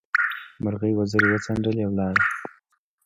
مرغۍ وزرې وڅنډلې؛ ولاړه.